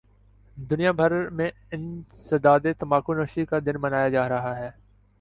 دنیا بھر میں انسداد تمباکو نوشی کا دن منایا جارہاہے